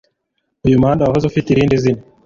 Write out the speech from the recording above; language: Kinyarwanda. Uyu muhanda wahoze ufite irindi zina.